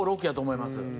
５６やと思います。